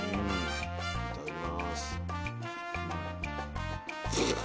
いただきます。